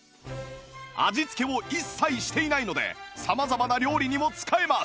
味付けを一切していないので様々な料理にも使えます